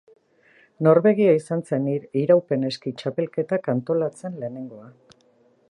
Norvegia izan zen iraupen eski txapelketak antolatzen lehenengoa.